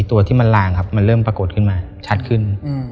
ตัวที่มันลางครับมันเริ่มปรากฏขึ้นมาชัดขึ้น